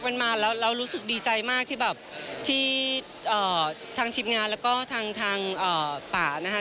มันมาแล้วเรารู้สึกดีใจมากที่แบบที่ทางทีมงานแล้วก็ทางป่านะคะ